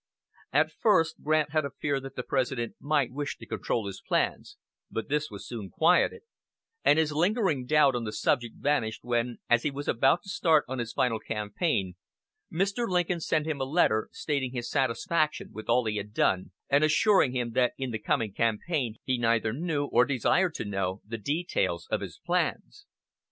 At first Grant had a fear that the President might wish to control his plans, but this was soon quieted; and his last lingering doubt on the subject vanished when, as he was about to start on his final campaign, Mr. Lincoln sent him a letter stating his satisfaction with all he had done, and assuring him that in the coming campaign he neither knew, for desired to know, the details of his plans.